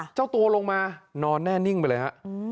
เจ้าตัวลงมานอนแน่นิ่งไปเลยฮะ